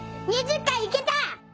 ２０かいいけた！